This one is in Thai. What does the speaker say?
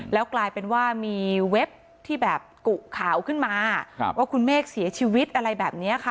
แล้วกลายเป็นว่ามีเว็บที่แบบกุข่าวขึ้นมาว่าคุณเมฆเสียชีวิตอะไรแบบนี้ค่ะ